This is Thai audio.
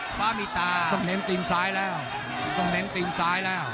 ฟ้ามีตาต้องเน้นทีมของซ้ายแล้ว